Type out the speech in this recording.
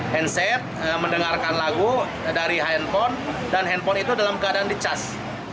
handset mendengarkan lagu dari handphone dan handphone itu dalam keadaan dicas